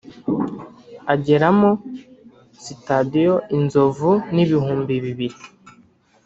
ageramo sitadiyo inzovu n ibihumbi bibiri